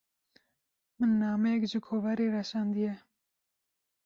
min nameyek ji kovarê re şandiye.